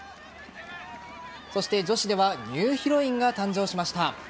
そして、女子ではニューヒロインが誕生しました。